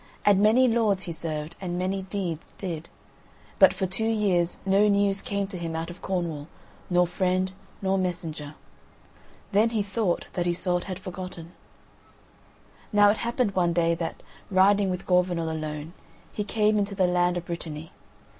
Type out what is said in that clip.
And many lords he served, and many deeds did, but for two years no news came to him out of Cornwall, nor friend, nor messenger. Then he thought that Iseult had forgotten. Now it happened one day that, riding with Gorvenal alone, he came into the land of Brittany.